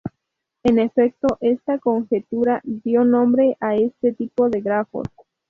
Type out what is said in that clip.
En efecto, esta conjetura dio nombre a este tipo de grafos.